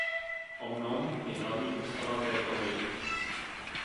Om Nom je hlavní postava této hry.